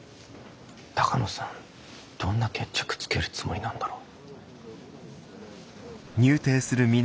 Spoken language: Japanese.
鷹野さんどんな決着つけるつもりなんだろう。